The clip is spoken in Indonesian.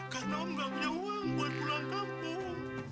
karena om gak punya uang buat pulang kampung